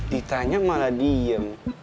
ditanya malah diem